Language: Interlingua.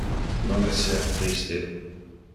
Non esser triste.